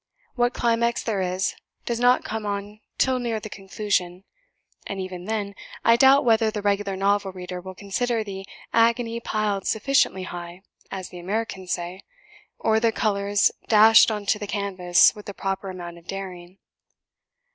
What climax there is does not come on till near the conclusion; and even then, I doubt whether the regular novel reader will consider the 'agony piled sufficiently high' (as the Americans say), or the colours dashed on to the canvas with the proper amount of daring.